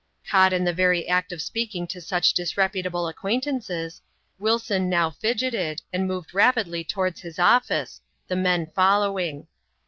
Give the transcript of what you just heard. Caught in the very act of speaking to such disreputable acquaintances, Wilson now fidgeted, and moved rapidly towards his office ; the men following.